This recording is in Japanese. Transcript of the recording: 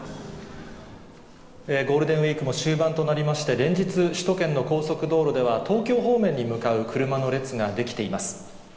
ゴールデンウィークも終盤となりまして、連日、首都圏の高速道路では、東京方面に向かう車の列が出来ています。